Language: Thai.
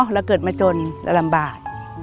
เราเกิดมาจนเราลำบาก